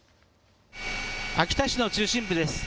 秋田市の中心部です。